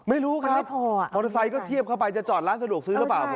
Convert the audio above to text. ไม่รู้ครับมอเตอร์ไซค์ก็เทียบเข้าไปจะจอดร้านสะดวกซื้อหรือเปล่า